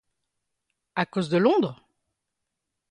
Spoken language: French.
À cause de Londres?